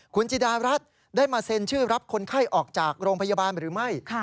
คุณจิดารัฐได้มาเซ็นชื่อรับคนไข้ออกจากโรงพยาบาลหรือไม่